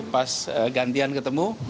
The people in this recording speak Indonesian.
pas gantian ketemu